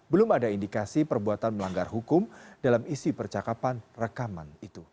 belum ada indikasi perbuatan melanggar hukum dalam isi percakapan rekaman itu